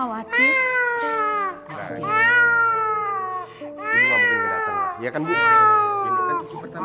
hai aku pikir kamu mau datang loh aku khawatir